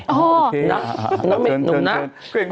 โอ้โหโอเคน้องเมฆหนุ่มนัก